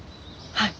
はい。